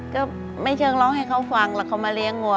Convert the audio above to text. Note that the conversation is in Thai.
ก็ไม่เชิงร้องให้เขาฟังแล้วเขามาเลี้ยงวัว